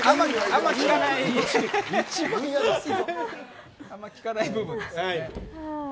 あんまり聞かない部分ですね。